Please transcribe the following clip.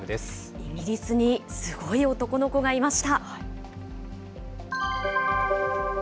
イギリスにすごい男の子がいました。